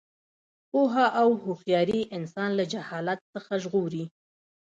پوهه او هوښیاري انسان له جهالت څخه ژغوري.